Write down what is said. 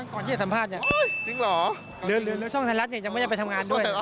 ก่อนที่จะสัมภาษณ์